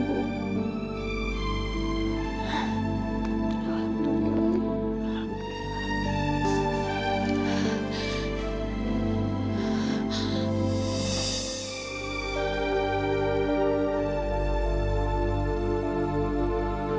ibu senang sekali